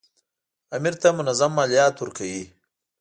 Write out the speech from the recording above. امیر ته منظم مالیات ورکوي.